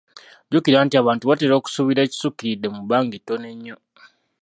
Jjukira nti abantu batera okusuubira ekisukkiridde mu bbanga ettono ennyo.